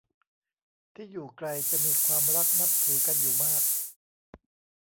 ที่อยู่ไกลจะมีความรักนับถือกันอยู่มาก